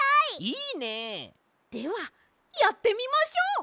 いいね！ではやってみましょう！